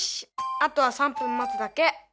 あとは３分待つだけ。